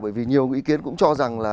bởi vì nhiều ý kiến cũng cho rằng là